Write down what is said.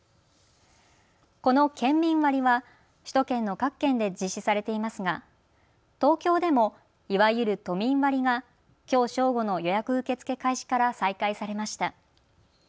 この県民割は首都圏の各県で実施されていますが東京でもいわゆる都民割がきょう正午の予約受け付け開始から再開されました。